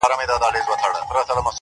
خود به د حالاتو سره جنګ کيیار ګټي میدان,